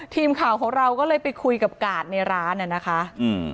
ทีมข่าวของเราก็เลยไปคุยกับกาดในร้านน่ะนะคะอืม